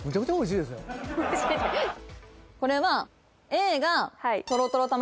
これは。